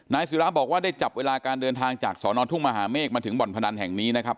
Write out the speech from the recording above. นายสิราบอกว่าได้จับเวลาการเดินทางจากสทมมาถึงบ่อนพนันแห่งนี้นะครับ